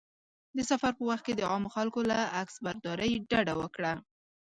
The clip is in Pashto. د سفر په وخت کې د عامو خلکو له عکسبرداري ډډه وکړه.